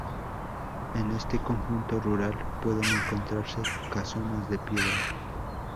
En este conjunto rural pueden encontrarse casonas de piedra.